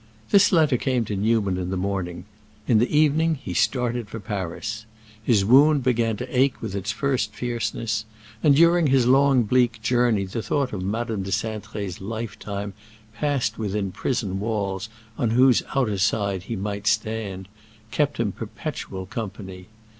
This letter came to Newman in the morning; in the evening he started for Paris. His wound began to ache with its first fierceness, and during his long bleak journey the thought of Madame de Cintré's "life time," passed within prison walls on whose outer side he might stand, kept him perpetual company.